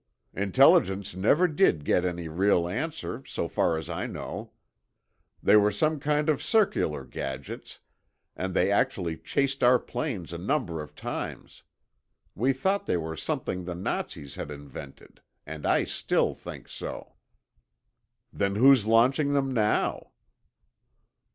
Intelligence never did get any real answer, so far as I know. They were some kind of circular gadgets, and they actually chased our planes a number of times. We thought they were something the Nazis had invented—and I still think so." "Then who's launching them now?"